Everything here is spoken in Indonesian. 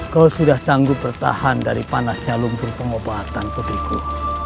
kau sudah sanggup bertahan dari panasnya lumpur pengobatan putriku